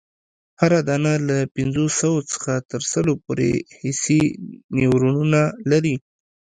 هره دانه له پنځوسو څخه تر سلو پوري حسي نیورونونه لري.